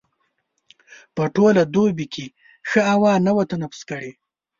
په ټوله دوبي کې ښه هوا نه وه تنفس کړې.